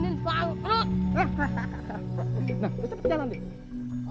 nah cepet jalan deh